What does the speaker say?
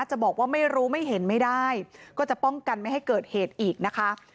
จะบอกว่าไม่รู้ไม่เห็นไม่ได้ก็จะป้องกันไม่ให้เกิดเหตุอีกนะคะ